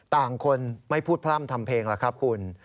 ต่างคนไม่พูดพร่ำทำเพลงแล้วครับคุณ